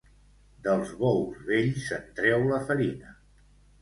Dels bous vells se'n treu la farina.